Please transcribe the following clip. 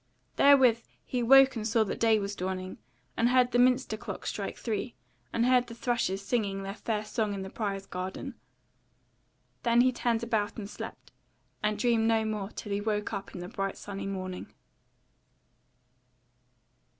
Therewith he awoke and saw that day was dawning, and heard the minster clock strike three, and heard the thrushes singing their first song in the Prior's garden. Then he turned about and slept, and dreamed no more till he woke up in the bright sunny morning.